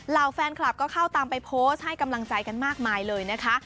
เหล่าแฟนคลับก็เข้าตามไปโพสต์ให้กำลังใจกันมากมายเลยนะคะ